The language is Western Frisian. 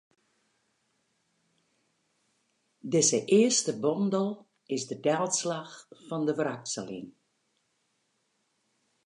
Dizze earste bondel is de delslach fan de wrakseling.